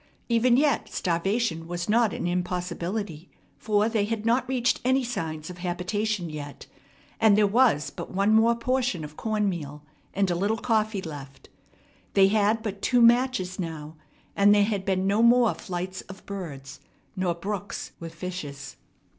Even yet starvation was not an impossibility; for they had not reached any signs of habitation yet, and there was but one more portion of corn meal and a little coffee left. They had but two matches now, and there had been no more flights of birds, nor brooks with fishes.